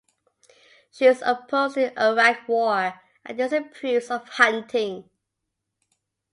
She is opposed to the Iraq War and disapproves of hunting.